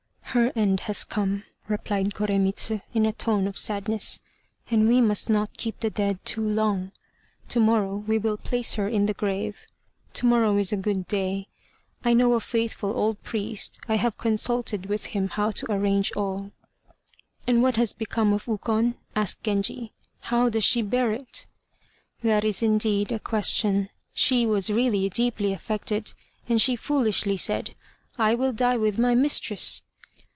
"Her end has come," replied Koremitz, in a tone of sadness; "and we must not keep the dead too long. To morrow we will place her in the grave: to morrow 'is a good day.' I know a faithful old priest. I have consulted with him how to arrange all." "And what has become of Ukon?" asked Genji. "How does she bear it?" "That is, indeed, a question. She was really deeply affected, and she foolishly said, 'I will die with my mistress.'